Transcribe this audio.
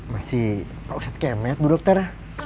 masih pak ustadz km ya bu dokter